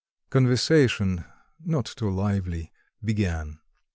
Conversation not too lively began.